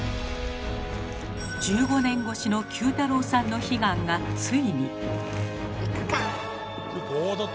１５年越しのＱ太郎さんの悲願がついに。